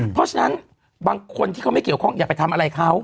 เพราะฉะนั้นบางคนที่เขาไม่เกี่ยวข้องอย่าไปทำอะไรเขา